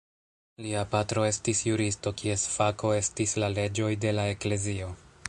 Lia patro estis juristo kies fako estis la leĝoj de la eklezio.